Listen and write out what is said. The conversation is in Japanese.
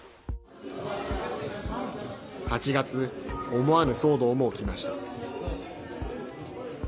８月、思わぬ騒動も起きました。